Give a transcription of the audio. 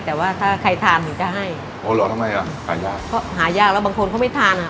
แต่ว่าถ้าใครทานหนูจะให้โอ้เหรอทำไมอ่ะหายากเขาหายากแล้วบางคนเขาไม่ทานอ่ะ